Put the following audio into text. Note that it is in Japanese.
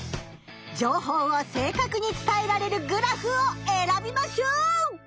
情報を正かくに伝えられるグラフを選びましょう！